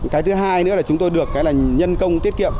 cái thứ hai nữa là chúng tôi được nhân công tiết kiệm